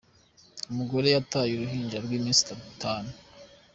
Umugore yataye uruhinja rw’iminsi itanu